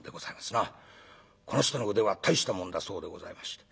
この人の腕は大したもんだそうでございまして。